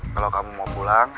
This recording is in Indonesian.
kalau kamu mau pulang